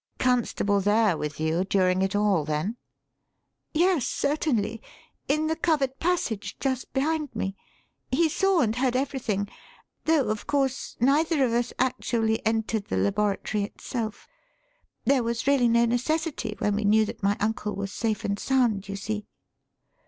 "Constable there with you during it all, then?" "Yes, certainly in the covered passage, just behind me. He saw and heard everything; though, of course, neither of us actually entered the laboratory itself. There was really no necessity when we knew that my uncle was safe and sound, you see."